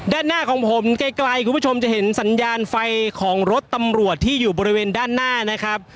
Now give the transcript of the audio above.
ด้านหน้าของผมไกลคุณผู้ชมจะเห็นสัญญาณไฟของรถตำรวจที่อยู่บริเวณด้านหน้านะครับ